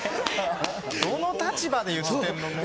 どの立場で言ってんのもう。